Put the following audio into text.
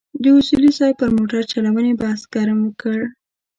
د اصولي صیب پر موټرچلونې بحث ګرم کړ.